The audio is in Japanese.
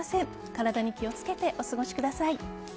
体に気を付けてお過ごしください。